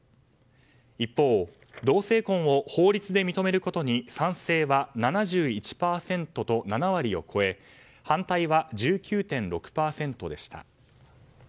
一方、同性婚を法律で認めることに「賛成」は７１％と７割を超え「反対」は１９．６％でした。